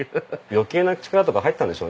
余計な力とか入ってたんでしょうね